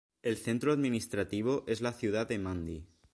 El centro administrativo es la ciudad de Mandi.